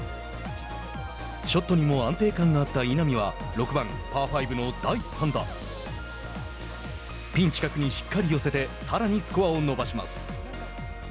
ショットにも安定感があった稲見は６番、パー５の第３打。ピン近くにしっかり寄せてさらにスコアを伸ばします。